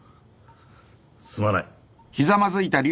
すまない。